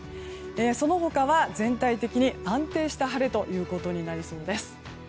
その他は全体的に安定した晴れとなりそうです。